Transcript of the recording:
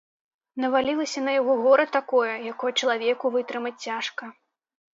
Навалілася на яго гора такое, якое чалавеку вытрымаць цяжка.